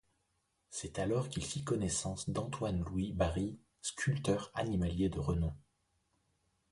C'est alors qu'il fit connaissance d'Antoine-Louis Barye, sculpteur animalier de renom.